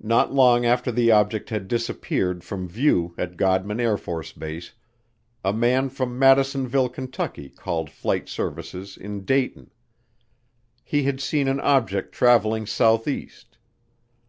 Not long after the object had disappeared from view at Godman AFB, a man from Madisonville, Kentucky, called Flight Service in Dayton. He had seen an object traveling southeast.